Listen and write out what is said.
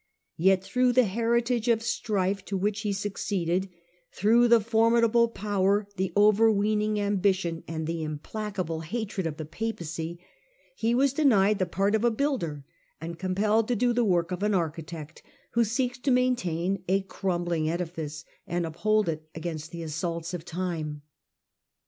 Yet through the heritage of strife to which he succeeded, through the formidable power, the overweening ambition and the implacable hatred of the Papacy, he was denied the part of a Builder and compelled to do the work of an architect who seeks to maintain a crumbling edifice and uphold it against the assaults of time.